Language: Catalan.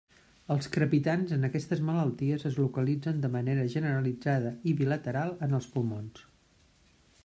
Els crepitants en aquestes malalties es localitzen de manera generalitzada i bilateral en els pulmons.